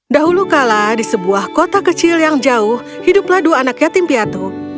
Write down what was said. dahulu kala di sebuah kota kecil yang jauh hiduplah dua anak yatim piatu